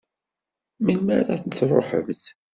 Melmi ara n-truḥemt?